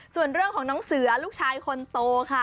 ส่วนเรื่องของน้องเสือลูกชายคนโตค่ะ